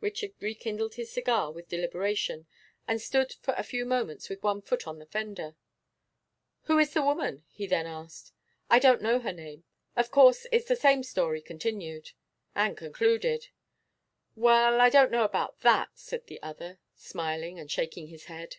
Richard rekindled his cigar with deliberation, and stood for a few moments with one foot on the fender. 'Who is the woman?' he then asked. 'I don't know her name. Of course it's the same story continued.' 'And concluded.' 'Well, I don't know about that,' said the other, smiling and shaking his head.